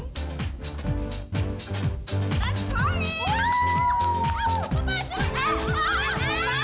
sangat memiliki keinginannya